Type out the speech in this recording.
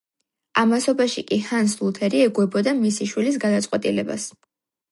ამასობაში კი ჰანს ლუთერი ეგუებოდა მისი შვილის გადაწყვეტილებას.